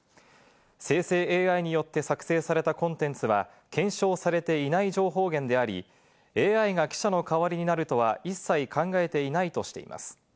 生成ＡＩによって作成されたコンテンツは検証されていない情報源であり、ＡＩが記者の代わりになるとは一切、考えていないとしています。